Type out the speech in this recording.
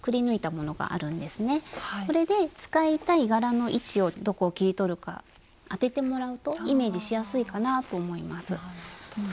これで使いたい柄の位置をどこを切り取るか当ててもらうとイメージしやすいかなぁと思います。